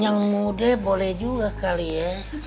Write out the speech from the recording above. yang muda boleh juga kali ya